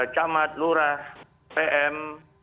camat lurah pm